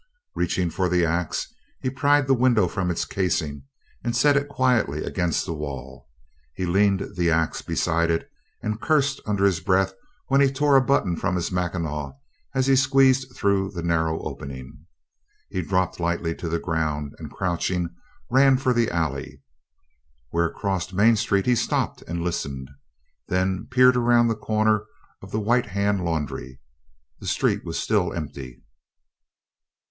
Reaching for the axe, he pried the window from its casing and set it quietly against the wall. He leaned the axe beside it and cursed under his breath when he tore a button from his mackinaw as he squeezed through the narrow opening. He dropped lightly to the ground and, crouching, ran for the alley. Where it crossed Main Street he stopped and listened, then peered around the corner of the White Hand Laundry. The street was still empty.